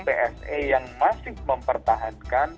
pse yang masih mempertahankan